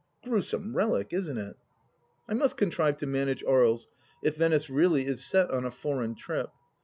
Gruesome relic, isn't it ? I must contrive to manage Aries, if Venice really is set on a foreign trip.